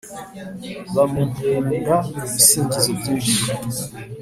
bamuhunda ibisingizo byishi